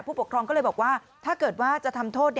ผู้ปกครองก็เลยบอกว่าถ้าเกิดว่าจะทำโทษ